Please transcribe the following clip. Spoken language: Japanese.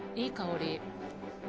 いい香り。